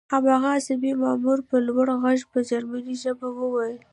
هماغه عصبي مامور په لوړ غږ په جرمني ژبه وویل